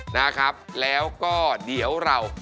นะครับแล้วก็เดี๋ยวเรา